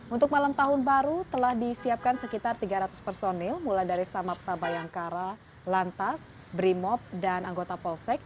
untuk malam tahun baru telah disiapkan sekitar tiga ratus personil mulai dari samapta bayangkara lantas brimob dan anggota polsek